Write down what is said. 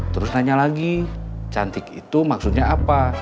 terus nanya lagi cantik itu maksudnya apa